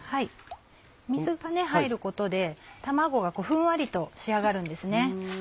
水が入ることで卵がふんわりと仕上がるんですね。